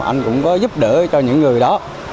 anh cũng có giúp đỡ cho những người đó